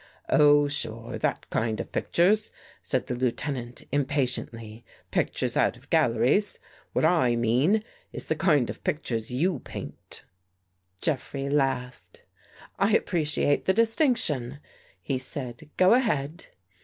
" Oh, sure, that kind of pictures," said the Lieutenant impatiently. " Pictures out of gal leries. What I mean, is the kind of pictures you paint." 79 THE GHOST GIRL Jeffrey laughed. " I appreciate the distinction," he said. " Go ahead."